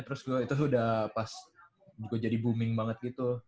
terus itu udah pas juga jadi booming banget gitu